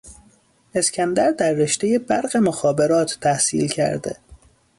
اسکندر در رشته برق مخابرات تحصیل کرده